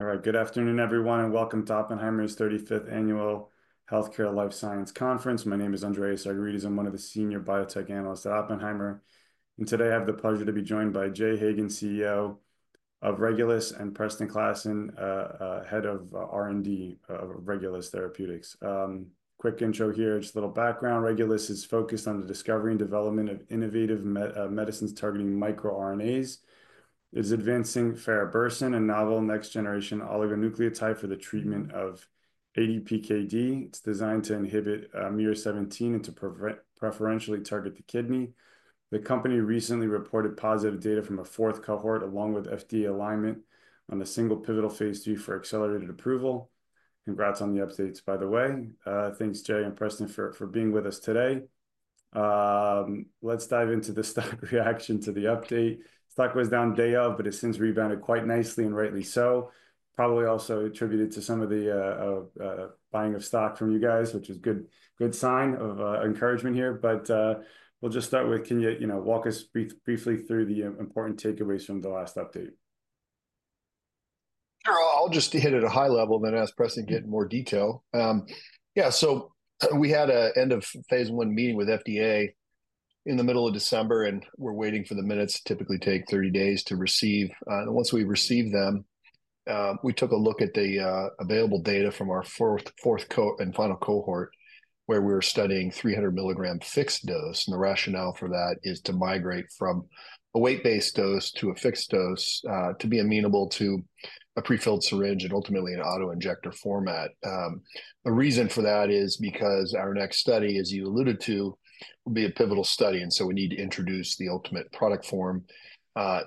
All right, good afternoon, everyone, and welcome to Oppenheimer's 35th Annual Healthcare Life Sciences Conference. My name is Andreas Argyrides. I'm one of the senior biotech analysts at Oppenheimer. And today I have the pleasure to be joined by Jay Hagan, CEO of Regulus and Preston Klassen, head of R&D of Regulus Therapeutics. Quick intro here, just a little background. Regulus is focused on the discovery and development of innovative medicines targeting microRNAs. It's advancing farabursen, a novel next-generation oligonucleotide for the treatment of ADPKD. It's designed to inhibit miR-17 and to preferentially target the kidney. The company recently reported positive data from a fourth cohort, along with FDA alignment on a single pivotal phase II for accelerated approval. Congrats on the updates, by the way. Thanks, Jay and Preston, for being with us today. Let's dive into the stock reaction to the update. Stock was down day of, but it's since rebounded quite nicely, and rightly so. Probably also attributed to some of the buying of stock from you guys, which is a good sign of encouragement here. But we'll just start with, can you walk us briefly through the important takeaways from the last update? Sure. I'll just hit it at a high level, and then ask Preston to get more detail. Yeah, so we had an end-of-phase I meeting with FDA in the middle of December, and we're waiting for the minutes, [which] typically take 30 days to receive. Once we received them, we took a look at the available data from our fourth and final cohort, where we were studying 300 milligram fixed dose. The rationale for that is to migrate from a weight-based dose to a fixed dose to be amenable to a prefilled syringe and ultimately an autoinjector format. The reason for that is because our next study, as you alluded to, will be a pivotal study. We need to introduce the ultimate product form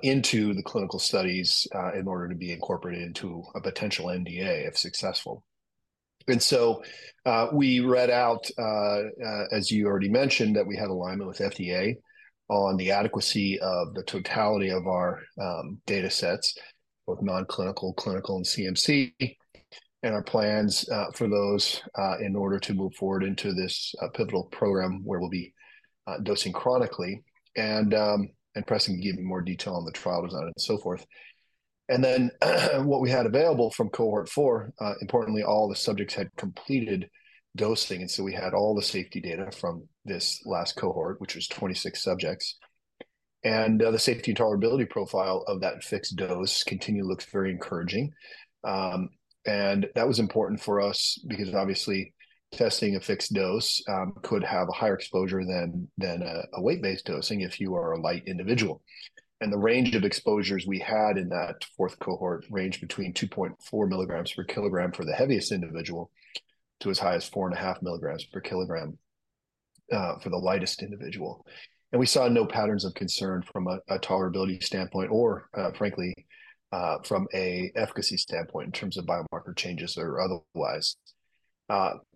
into the clinical studies in order to be incorporated into a potential NDA, if successful. And so we read out, as you already mentioned, that we had alignment with FDA on the adequacy of the totality of our data sets, both nonclinical, clinical, and CMC, and our plans for those in order to move forward into this pivotal program where we'll be dosing chronically. Preston can give you more detail on the trial design and so forth. Then what we had available from Cohort IV, importantly, all the subjects had completed dosing. So we had all the safety data from this last cohort, which was 26 subjects. The safety and tolerability profile of that fixed dose continually looks very encouraging. That was important for us because, obviously, testing a fixed dose could have a higher exposure than a weight-based dosing if you are a light individual. And the range of exposures we had in that fourth cohort ranged between 2.4 milligrams per kilogram for the heaviest individual to as high as 4.5 milligrams per kilogram for the lightest individual. And we saw no patterns of concern from a tolerability standpoint or, frankly, from an efficacy standpoint in terms of biomarker changes or otherwise.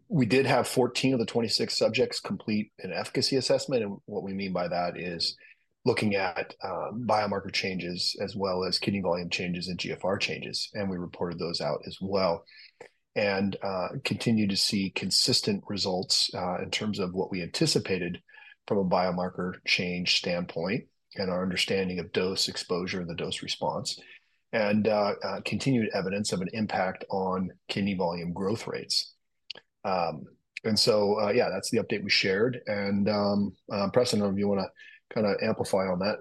We did have 14 of the 26 subjects complete an efficacy assessment. And what we mean by that is looking at biomarker changes as well as kidney volume changes and GFR changes. And we reported those out as well and continued to see consistent results in terms of what we anticipated from a biomarker change standpoint and our understanding of dose exposure and the dose response and continued evidence of an impact on kidney volume growth rates. And so, yeah, that's the update we shared. Preston, if you want to kind of amplify on that.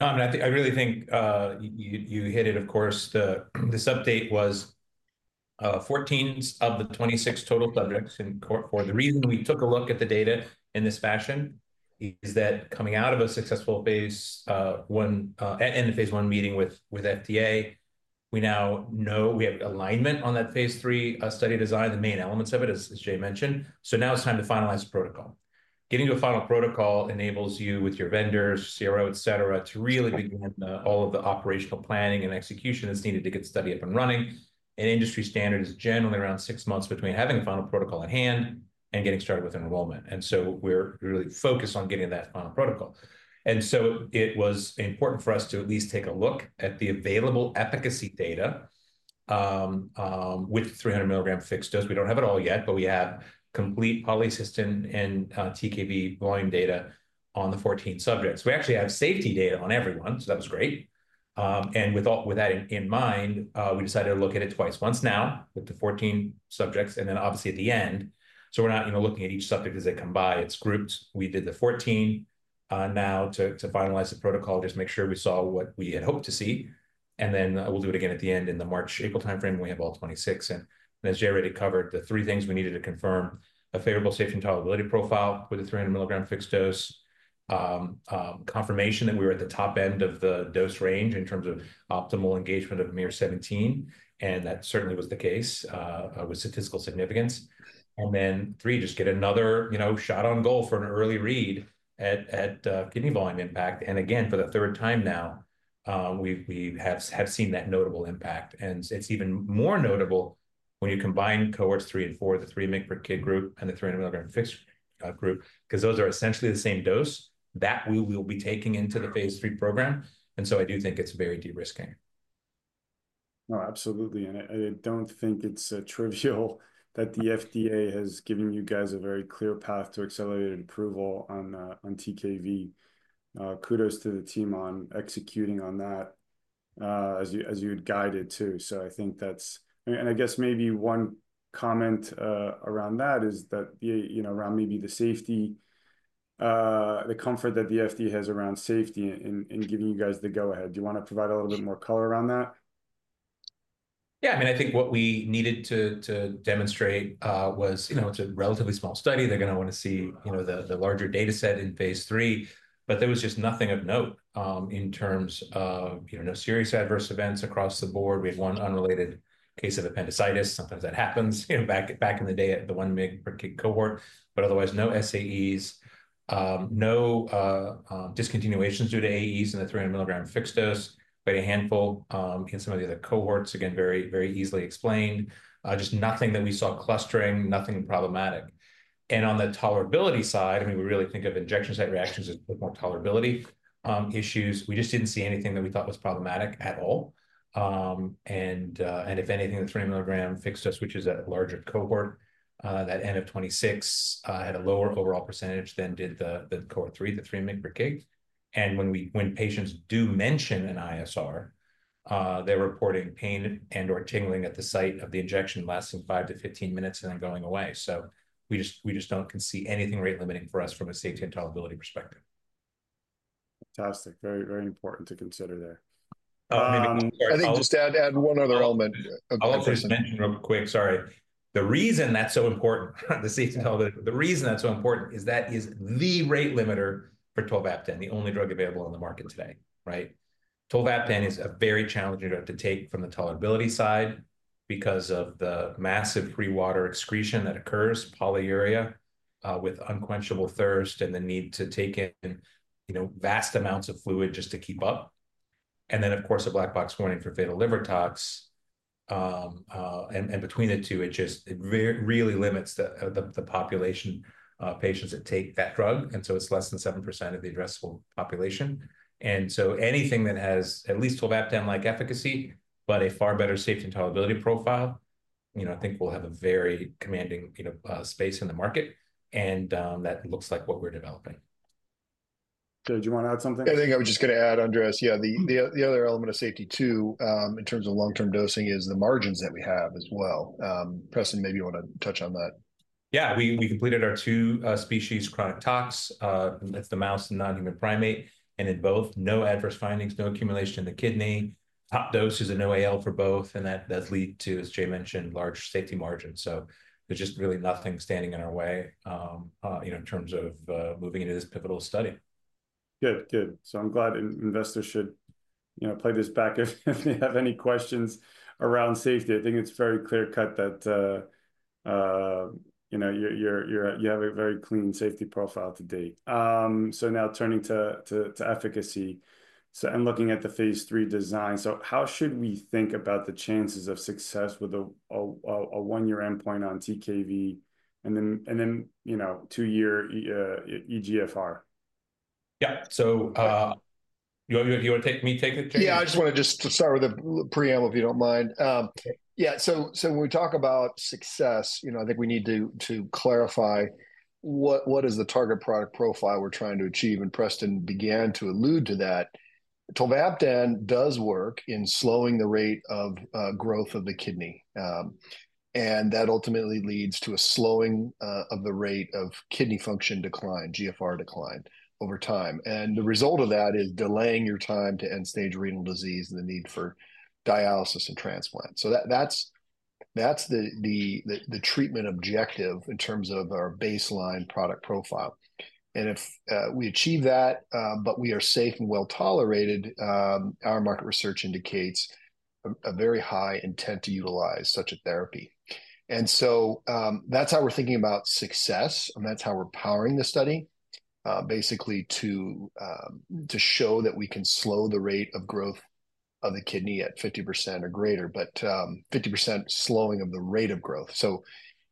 No, I mean, I really think you hit it. Of course, this update was 14 of the 26 total subjects, and for the reason we took a look at the data in this fashion is that coming out of a successful phase I at end-of-phase I meeting with FDA, we now know we have alignment on that phase III study design, the main elements of it, as Jay mentioned, so now it's time to finalize protocol. Getting to a final protocol enables you, with your vendors, CRO, etc., to really begin all of the operational planning and execution that's needed to get the study up and running, and industry standard is generally around six months between having a final protocol in hand and getting started with enrollment, and so we're really focused on getting that final protocol. And so it was important for us to at least take a look at the available efficacy data with the 300 milligram fixed dose. We don't have it all yet, but we have complete polycystin and TKV volume data on the 14 subjects. We actually have safety data on everyone, so that was great. And with that in mind, we decided to look at it twice, once now with the 14 subjects and then obviously at the end. So we're not looking at each subject as they come by. It's grouped. We did the 14 now to finalize the protocol, just to make sure we saw what we had hoped to see. And then we'll do it again at the end in the March-April timeframe. We have all 26. And as Jay already covered, the three things we needed to confirm: a favorable safety and tolerability profile with the 300 milligram fixed dose, confirmation that we were at the top end of the dose range in terms of optimal engagement of miR-17, and that certainly was the case with statistical significance. And then three, just get another shot on goal for an early read at kidney volume impact. And again, for the third time now, we have seen that notable impact. And it's even more notable when you combine Cohorts III and IV, the 300 mg per kg group and the 300 milligram fixed group, because those are essentially the same dose that we will be taking into the phase III program. And so I do think it's very de-risking. No, absolutely. And I don't think it's trivial that the FDA has given you guys a very clear path to accelerated approval on TKV. Kudos to the team on executing on that as you had guided, too. So I think that's, and I guess maybe one comment around that is that around maybe the safety, the comfort that the FDA has around safety in giving you guys the go-ahead. Do you want to provide a little bit more color around that? Yeah. I mean, I think what we needed to demonstrate was it's a relatively small study. They're going to want to see the larger data set in phase III. But there was just nothing of note in terms of no serious adverse events across the board. We had one unrelated case of appendicitis. Sometimes that happens back in the day at the 1 mg/kg cohort. But otherwise, no SAEs, no discontinuations due to AEs in the 300 milligram fixed dose, quite a handful in some of the other cohorts. Again, very easily explained. Just nothing that we saw clustering, nothing problematic. And on the tolerability side, I mean, we really think of injection site reactions as more tolerability issues. We just didn't see anything that we thought was problematic at all. If anything, the 300 mg fixed dose, which is a larger cohort, n=26 had a lower overall percentage than did the Cohort III, the 3 mg/kg. When patients do mention an ISR, they're reporting pain and/or tingling at the site of the injection lasting 5 to 15 minutes and then going away. We just don't see anything rate-limiting for us from a safety and tolerability perspective. Fantastic. Very important to consider there. I think just add one other element. I'll just mention real quick, sorry. The reason that's so important, the safety and tolerability, the reason that's so important is that is the rate limiter for tolvaptan, the only drug available on the market today, right? Tolvaptan is a very challenging drug to take from the tolerability side because of the massive free water excretion that occurs, polyuria with unquenchable thirst and the need to take in vast amounts of fluid just to keep up, and then, of course, a black box warning for fatal liver tox. And between the two, it just really limits the population of patients that take that drug, and so it's less than 7% of the addressable population. And so anything that has at least tolvaptan-like efficacy, but a far better safety and tolerability profile, I think we'll have a very commanding space in the market, and that looks like what we're developing. Jay, do you want to add something? I think I was just going to add, Andreas, yeah, the other element of safety, too, in terms of long-term dosing is the margins that we have as well. Preston, maybe you want to touch on that. Yeah. We completed our two species chronic tox. It's the mouse and non-human primate, and in both, no adverse findings, no accumulation in the kidney. Top dose is a NOAEL for both, and that does lead to, as Jay mentioned, large safety margins, so there's just really nothing standing in our way in terms of moving into this pivotal study. Good. Good. So I'm glad investors should play this back if they have any questions around safety. I think it's very clear-cut that you have a very clean safety profile to date. So now turning to efficacy and looking at the phase III design. So how should we think about the chances of success with a one-year endpoint on TKV and then two-year eGFR? Yeah. So you want me to take the- Yeah, I just want to just start with a preamble, if you don't mind. Yeah, so when we talk about success, I think we need to clarify what is the target product profile we're trying to achieve, and Preston began to allude to that. tolvaptan does work in slowing the rate of growth of the kidney, and that ultimately leads to a slowing of the rate of kidney function decline, GFR decline over time. The result of that is delaying your time to end-stage renal disease and the need for dialysis and transplant, so that's the treatment objective in terms of our baseline product profile. If we achieve that but we are safe and well tolerated, our market research indicates a very high intent to utilize such a therapy, and so that's how we're thinking about success. And that's how we're powering the study, basically to show that we can slow the rate of growth of the kidney at 50% or greater, but 50% slowing of the rate of growth. So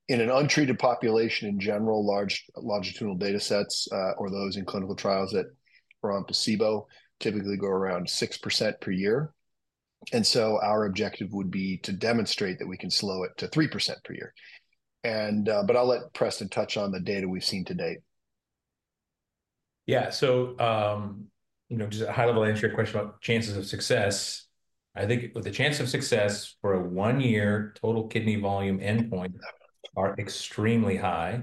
in an untreated population in general, large longitudinal data sets or those in clinical trials that are on placebo typically go around 6% per year. And so our objective would be to demonstrate that we can slow it to 3% per year. But I'll let Preston touch on the data we've seen to date. Yeah. So just a high-level answer to your question about chances of success. I think the chances of success for a one-year total kidney volume endpoint are extremely high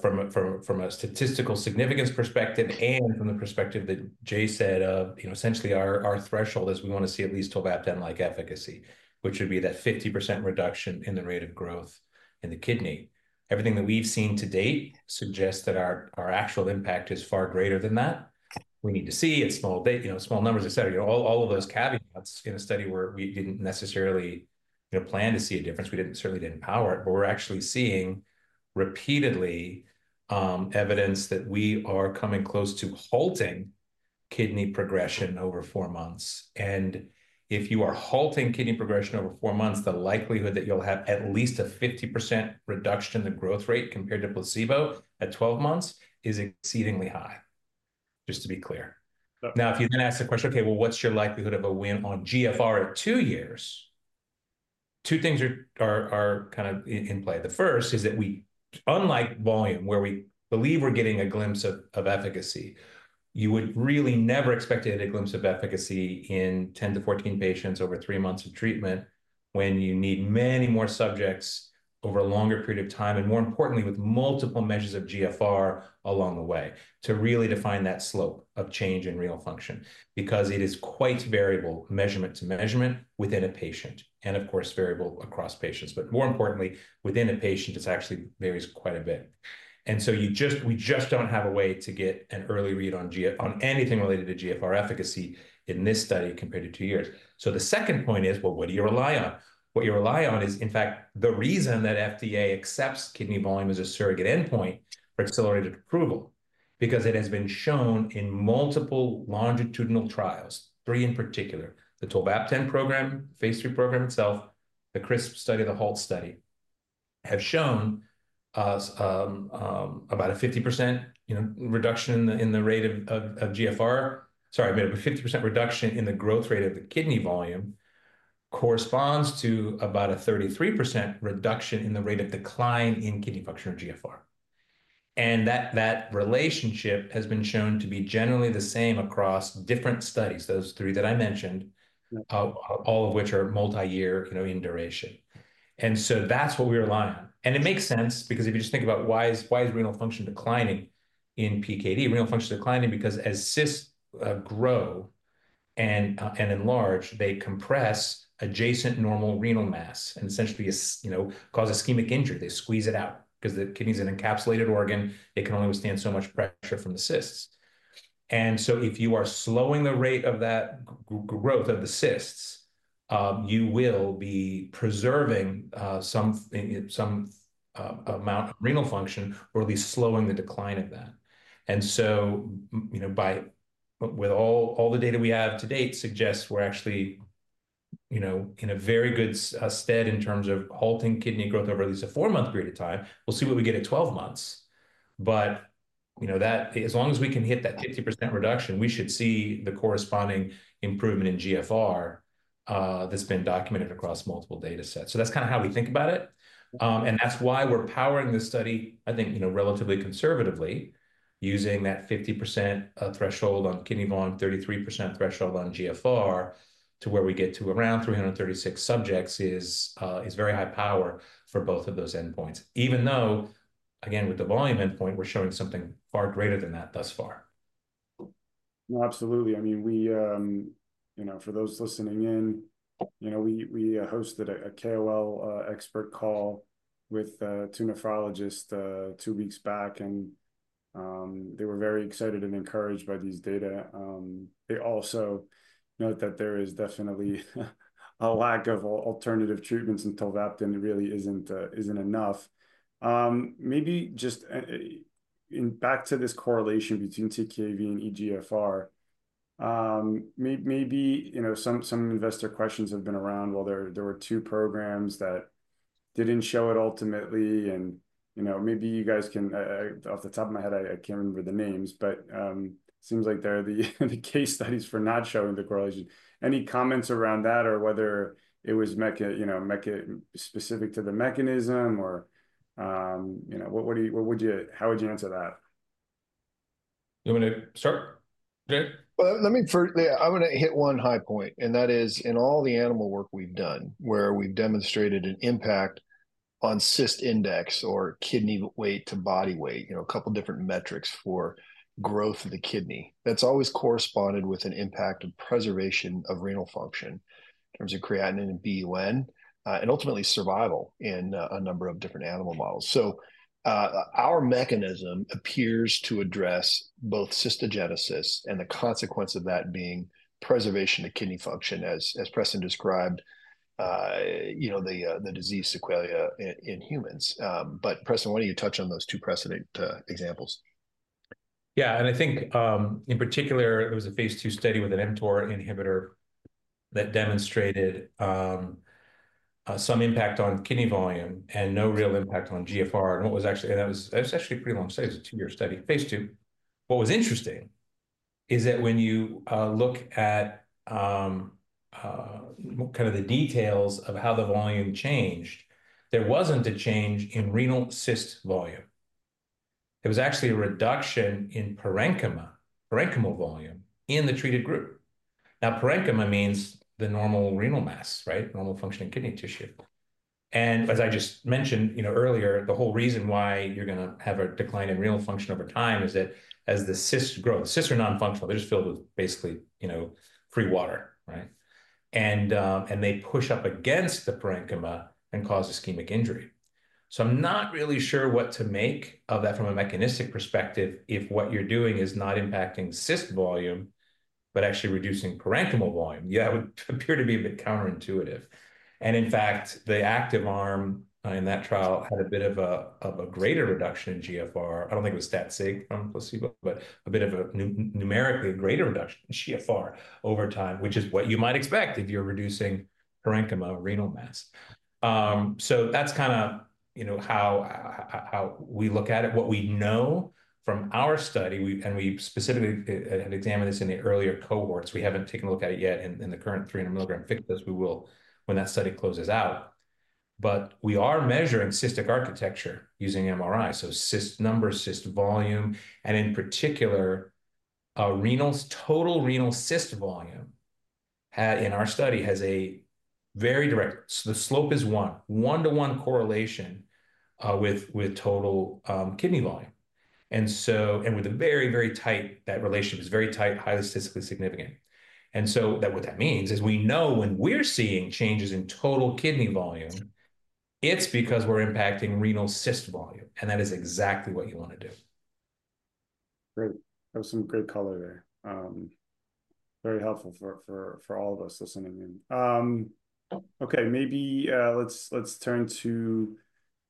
from a statistical significance perspective and from the perspective that Jay said of essentially our threshold is we want to see at least tolvaptan-like efficacy, which would be that 50% reduction in the rate of growth in the kidney. Everything that we've seen to date suggests that our actual impact is far greater than that. We need to see it's small numbers, etc. All of those caveats in a study where we didn't necessarily plan to see a difference. We certainly didn't power it. But we're actually seeing repeatedly evidence that we are coming close to halting kidney progression over four months. If you are halting kidney progression over four months, the likelihood that you'll have at least a 50% reduction in the growth rate compared to placebo at 12 months is exceedingly high, just to be clear. Now, if you then ask the question, "Okay, well, what's your likelihood of a win on GFR at two years?" Two things are kind of in play. The first is that we, unlike volume, where we believe we're getting a glimpse of efficacy, you would really never expect to get a glimpse of efficacy in 10 to 14 patients over three months of treatment when you need many more subjects over a longer period of time and, more importantly, with multiple measures of GFR along the way to really define that slope of change in renal function because it is quite variable measurement to measurement within a patient and, of course, variable across patients, but more importantly, within a patient, it actually varies quite a bit, and so we just don't have a way to get an early read on anything related to GFR efficacy in this study compared to two years, so the second point is, well, what do you rely on? What you rely on is, in fact, the reason that FDA accepts kidney volume as a surrogate endpoint for accelerated approval because it has been shown in multiple longitudinal trials, three in particular, the tolvaptan program, phase III program itself, the CRISP study, the HALT study, have shown about a 50% reduction in the rate of GFR. Sorry, 50% reduction in the growth rate of the kidney volume corresponds to about a 33% reduction in the rate of decline in kidney function or GFR. And that relationship has been shown to be generally the same across different studies, those three that I mentioned, all of which are multi-year in duration. And so that's what we rely on. And it makes sense because if you just think about why is renal function declining in PKD? Renal function is declining because as cysts grow and enlarge, they compress adjacent normal renal mass and essentially cause ischemic injury. They squeeze it out because the kidney is an encapsulated organ. It can only withstand so much pressure from the cysts, and so if you are slowing the rate of that growth of the cysts, you will be preserving some amount of renal function or at least slowing the decline of that, and so with all the data we have to date suggests we're actually in a very good stead in terms of halting kidney growth over at least a four-month period of time. We'll see what we get at 12 months, but as long as we can hit that 50% reduction, we should see the corresponding improvement in GFR that's been documented across multiple data sets, so that's kind of how we think about it. That's why we're powering this study, I think, relatively conservatively, using that 50% threshold on kidney volume, 33% threshold on GFR to where we get to around 336 subjects. This is very high power for both of those endpoints, even though, again, with the volume endpoint, we're showing something far greater than that thus far. Absolutely. I mean, for those listening in, we hosted a KOL expert call with two nephrologists two weeks back, and they were very excited and encouraged by these data. They also note that there is definitely a lack of alternative treatments and tolvaptan really isn't enough. Maybe just back to this correlation between TKV and eGFR, maybe some investor questions have been around while there were two programs that didn't show it ultimately, and maybe you guys can, off the top of my head, I can't remember the names, but it seems like they're the case studies for not showing the correlation. Any comments around that or whether it was specific to the mechanism or what would you, how would you answer that? You want me to start? Jay? I want to hit one high point, and that is in all the animal work we've done where we've demonstrated an impact on cyst index or kidney weight to body weight, a couple of different metrics for growth of the kidney, that's always corresponded with an impact of preservation of renal function in terms of creatinine and BUN and ultimately survival in a number of different animal models, so our mechanism appears to address both cystogenesis and the consequence of that being preservation of kidney function, as Preston described the disease sequelae in humans, but Preston, why don't you touch on those two precedent examples? Yeah, and I think in particular, it was a phase II study with an mTOR inhibitor that demonstrated some impact on kidney volume and no real impact on GFR, and that was actually a pretty long study. It was a two-year study, phase II. What was interesting is that when you look at kind of the details of how the volume changed, there wasn't a change in renal cyst volume. There was actually a reduction in parenchymal volume in the treated group. Now, parenchyma means the normal renal mass, right? Normal functioning kidney tissue, and as I just mentioned earlier, the whole reason why you're going to have a decline in renal function over time is that as the cysts grow, the cysts are nonfunctional. They're just filled with basically free water, right, and they push up against the parenchyma and cause ischemic injury. I'm not really sure what to make of that from a mechanistic perspective if what you're doing is not impacting cyst volume, but actually reducing parenchymal volume. Yeah, that would appear to be a bit counterintuitive. In fact, the active arm in that trial had a bit of a greater reduction in GFR. I don't think it was stat-sig from placebo, but a bit of a numerically greater reduction in GFR over time, which is what you might expect if you're reducing parenchyma or renal mass. That's kind of how we look at it. What we know from our study, and we specifically had examined this in the earlier cohorts, we haven't taken a look at it yet in the current 300-milligram fixed dose. We will when that study closes out. We are measuring cystic architecture using MRI. So cyst number, cyst volume, and in particular, total renal cyst volume in our study has a very direct, so the slope is one, one-to-one correlation with total kidney volume. And with a very, very tight, that relationship is very tight, highly statistically significant. And so what that means is we know when we're seeing changes in total kidney volume, it's because we're impacting renal cyst volume. And that is exactly what you want to do. Great. That was some great color there. Very helpful for all of us listening in. Okay. Maybe let's turn to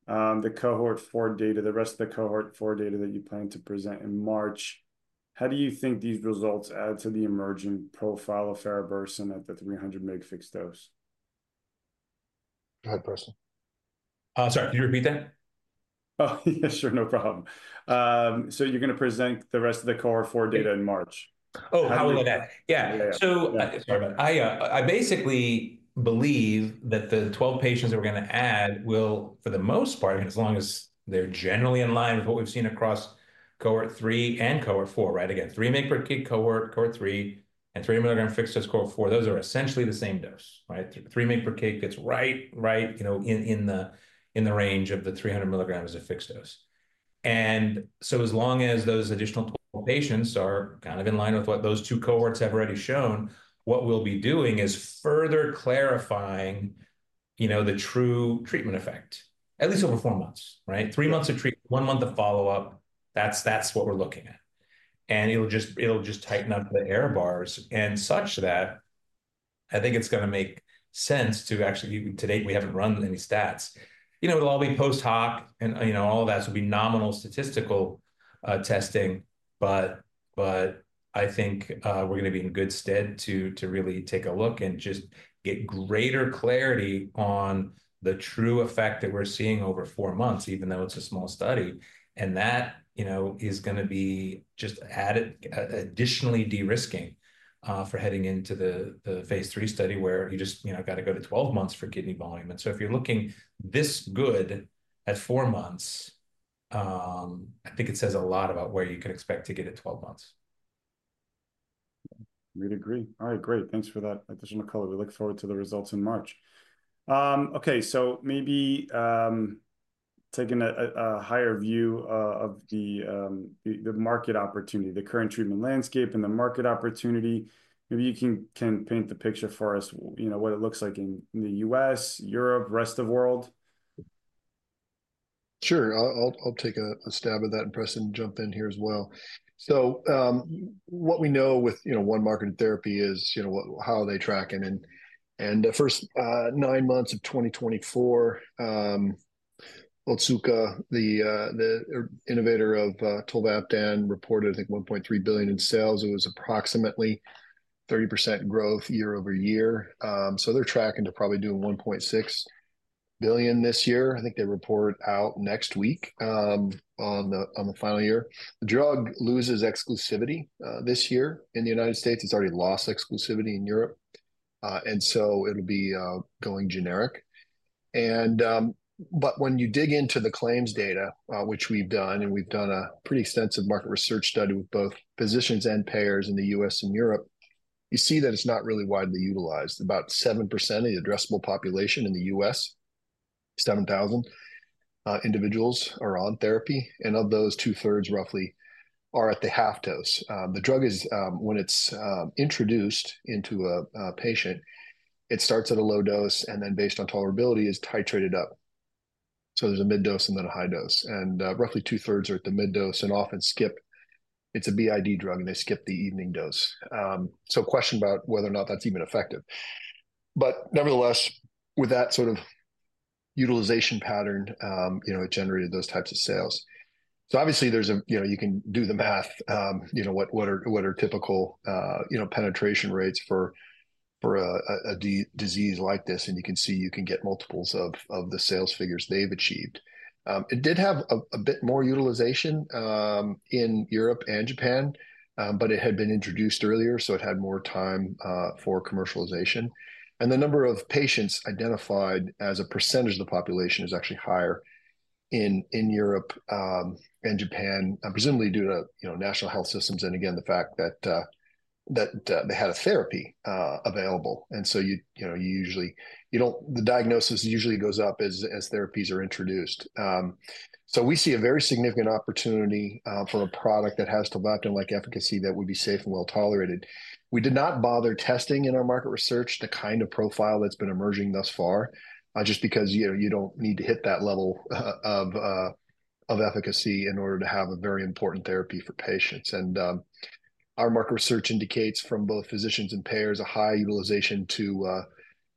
the Cohort IV data, the rest of the Cohort IV data that you plan to present in March. How do you think these results add to the emerging profile of farabursen at the 300-mg fixed dose? Go ahead, Preston. Sorry, can you repeat that? Oh, yeah, sure. No problem. So you're going to present the rest of the Cohort IV data in March? Oh, how will I add? Yeah. So I basically believe that the 12 patients that we're going to add will, for the most part, as long as they're generally in line with what we've seen across Cohort III and Cohort IV, right? Again, 3-mg/kg cohort, Cohort III, and 300-mg fixed dose Cohort IV, those are essentially the same dose, right? 3-mg/kg fits right in the range of the 300 mg fixed dose. And so as long as those additional 12 patients are kind of in line with what those two Cohorts have already shown, what we'll be doing is further clarifying the true treatment effect, at least over four months, right? Three months of treatment, one month of follow-up, that's what we're looking at. And it'll just tighten up the error bars and such that I think it's going to make sense to actually, to date, we haven't run any stats. It'll all be post-hoc, and all of that will be nominal statistical testing. But I think we're going to be in good stead to really take a look and just get greater clarity on the true effect that we're seeing over four months, even though it's a small study. And that is going to be just additionally de-risking for heading into the phase III study where you just got to go to 12 months for kidney volume. And so if you're looking this good at four months, I think it says a lot about where you can expect to get at 12 months. We'd agree. All right. Great. Thanks for that additional color. We look forward to the results in March. Okay. So maybe taking a higher view of the market opportunity, the current treatment landscape and the market opportunity, maybe you can paint the picture for us, what it looks like in the U.S., Europe, rest of the world? Sure. I'll take a stab at that and Preston jump in here as well. So what we know with one market therapy is how are they tracking? And the first nine months of 2024, Otsuka, the innovator of tolvaptan, reported, I think, $1.3 billion in sales. It was approximately 30% growth year over year. So they're tracking to probably do $1.6 billion this year. I think they report out next week on the final year. The drug loses exclusivity this year in the United States. It's already lost exclusivity in Europe. And so it'll be going generic. But when you dig into the claims data, which we've done, and we've done a pretty extensive market research study with both physicians and payers in the U.S. and Europe, you see that it's not really widely utilized. About 7% of the addressable population in the U.S., 7,000 individuals are on therapy. And of those, two-thirds roughly are at the half dose. The drug, when it's introduced into a patient, it starts at a low dose, and then based on tolerability, is titrated up. So there's a mid-dose and then a high dose. And roughly two-thirds are at the mid-dose and often skip. It's a BID drug, and they skip the evening dose. So question about whether or not that's even effective. But nevertheless, with that sort of utilization pattern, it generated those types of sales. So obviously, you can do the math, what are typical penetration rates for a disease like this. And you can see you can get multiples of the sales figures they've achieved. It did have a bit more utilization in Europe and Japan, but it had been introduced earlier, so it had more time for commercialization. The number of patients identified as a percentage of the population is actually higher in Europe and Japan, presumably due to national health systems and, again, the fact that they had a therapy available. The diagnosis usually goes up as therapies are introduced. We see a very significant opportunity for a product that has tolvaptan-like efficacy that would be safe and well tolerated. We did not bother testing in our market research the kind of profile that's been emerging thus far just because you don't need to hit that level of efficacy in order to have a very important therapy for patients. Our market research indicates from both physicians and payers a high utilization to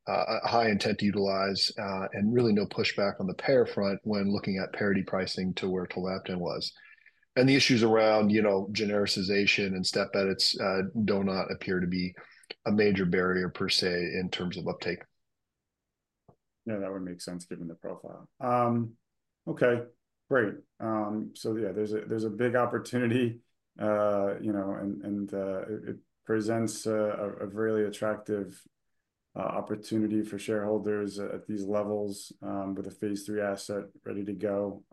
a high intent to utilize and really no pushback on the payer front when looking at parity pricing to where tolvaptan was. The issues around genericization and step edits do not appear to be a major barrier per se in terms of uptake. Yeah, that would make sense given the profile. Okay. Great. So yeah, there's a big opportunity, and it presents a really attractive opportunity for shareholders at these levels with a phase III asset ready to go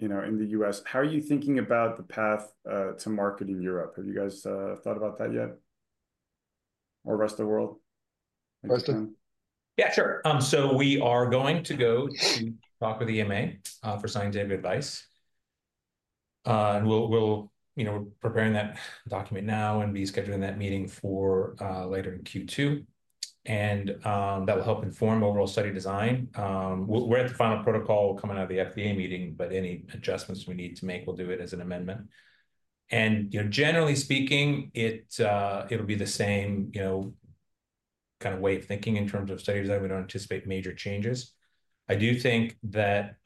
in the U.S. How are you thinking about the path to market in Europe? Have you guys thought about that yet? Or rest of the world? Preston? Yeah, sure. So we are going to go to talk with EMA for scientific advice. And we're preparing that document now and we'll be scheduling that meeting for later in Q2. And that will help inform overall study design. We're at the final protocol coming out of the FDA meeting, but any adjustments we need to make, we'll do it as an amendment. And generally speaking, it'll be the same kind of way of thinking in terms of studies that we don't anticipate major changes. I do think that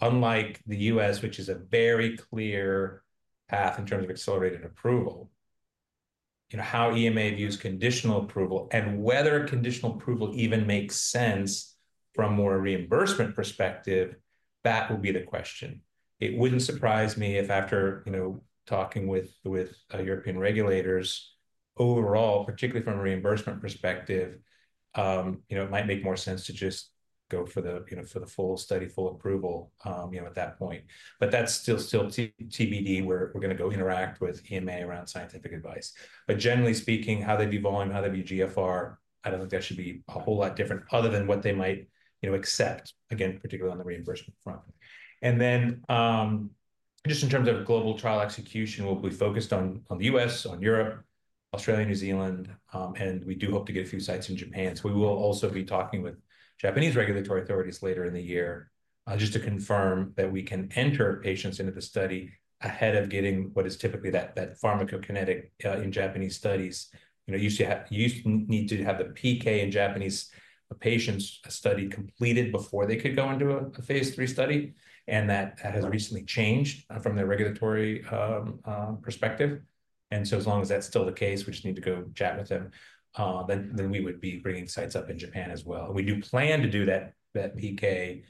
unlike the U.S., which is a very clear path in terms of accelerated approval, how EMA views conditional approval and whether conditional approval even makes sense from more reimbursement perspective, that will be the question. It wouldn't surprise me if after talking with European regulators overall, particularly from a reimbursement perspective, it might make more sense to just go for the full study, full approval at that point, but that's still TBD where we're going to go interact with EMA around scientific advice, but generally speaking, how they view volume, how they view GFR, I don't think that should be a whole lot different other than what they might accept, again, particularly on the reimbursement front, and then just in terms of global trial execution, we'll be focused on the U.S., on Europe, Australia, New Zealand, and we do hope to get a few sites in Japan, so we will also be talking with Japanese regulatory authorities later in the year just to confirm that we can enter patients into the study ahead of getting what is typically that pharmacokinetic in Japanese studies. You used to need to have the PK study in Japanese patients completed before they could go into a phase III study, and that has recently changed from the regulatory perspective, and so as long as that's still the case, we just need to go chat with them, then we would be bringing sites up in Japan as well. We do plan to do that PK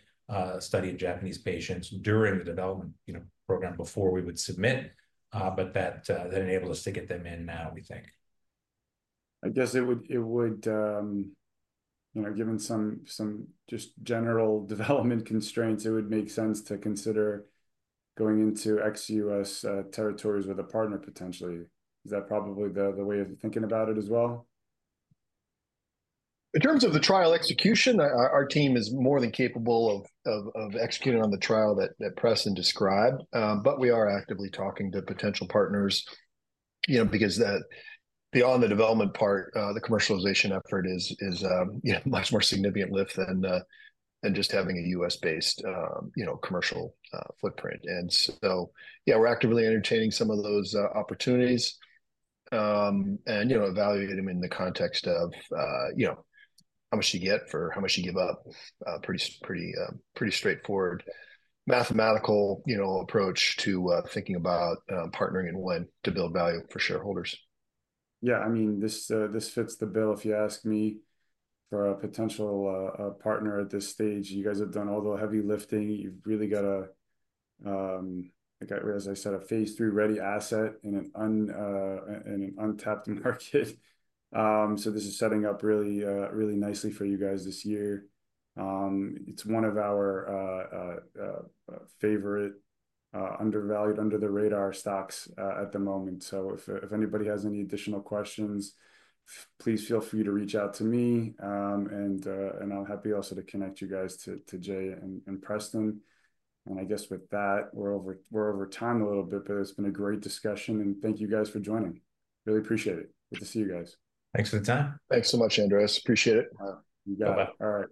study in Japanese patients during the development program before we would submit, but that enables us to get them in now, we think. I guess it would, given some just general development constraints, it would make sense to consider going into ex-US territories with a partner potentially. Is that probably the way of thinking about it as well? In terms of the trial execution, our team is more than capable of executing on the trial that Preston described. But we are actively talking to potential partners because beyond the development part, the commercialization effort is a much more significant lift than just having a U.S.-based commercial footprint. And so yeah, we're actively entertaining some of those opportunities and evaluating them in the context of how much you get for how much you give up, pretty straightforward mathematical approach to thinking about partnering and when to build value for shareholders. Yeah. I mean, this fits the bill if you ask me for a potential partner at this stage. You guys have done all the heavy lifting. You've really got a, as I said, a phase III ready asset in an untapped market, so this is setting up really nicely for you guys this year. It's one of our favorite undervalued, under-the-radar stocks at the moment, so if anybody has any additional questions, please feel free to reach out to me, and I'm happy also to connect you guys to Jay and Preston, and I guess with that, we're over time a little bit, but it's been a great discussion, and thank you guys for joining. Really appreciate it. Good to see you guys. Thanks for the time. Thanks so much, Andreas. Appreciate it. You got it. Bye-bye. All right.